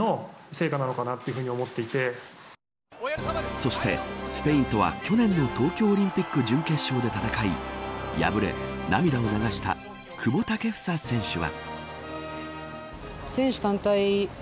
そして、スペインとは去年の東京オリンピック準決勝で戦い敗れ、涙を流した久保建英選手は。